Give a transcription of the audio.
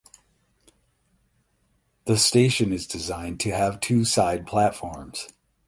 The station is designed to have two side platforms.